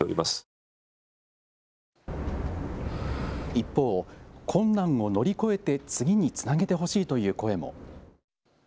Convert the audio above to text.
一方、困難を乗り越えて次につなげてほしいという声も。